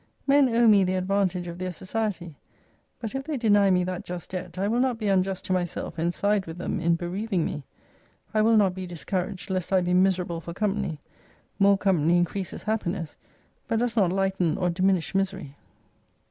Men owe me the advantage of their society, but if they deny me that just debt, I will not be unjust to myself, and side with them in bereaving me. I will not be dis couraged, lest I be miserable for company. More company increases happiness, but docs not lighten or diminish misery.